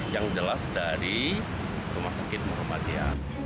yang jelas dari rumah sakit muhammadiyah